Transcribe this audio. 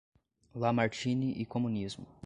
Lamartine e Comunismo